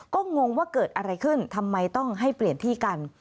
ก็งงว่าเกิดอะไรขึ้นทำไมต้องให้เปลี่ยนที่กัน